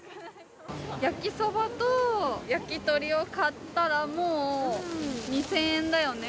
焼きそばと焼き鳥を買ったら、もう２０００円だよね。